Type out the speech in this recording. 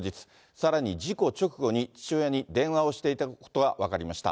さらに、事故直後に父親に電話をしていたことが分かりました。